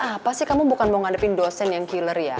apa sih kamu bukan mau ngadepin dosen yang killer ya